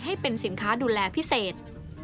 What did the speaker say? ให้เป็นสินค้าดูแลพิเศษ